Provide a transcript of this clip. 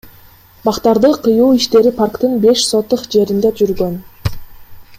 Бактарды кыюу иштери парктын беш сотых жеринде жүргөн.